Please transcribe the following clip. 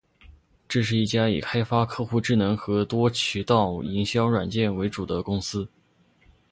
这是一家以开发客户智能和多渠道营销软件为主的公司。